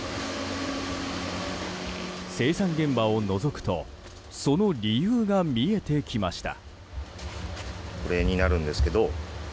生産現場をのぞくとその理由が見えてきました。